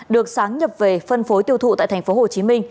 được sáng nhập về phân phối tiêu thụ tại tp hcm